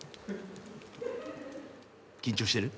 緊張してる？